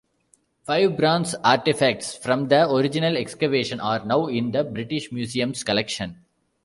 Five bronze artefacts from the original excavation are now in the British Museum's collection.